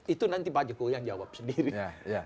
itu nanti pak jokowi yang jawab sendiri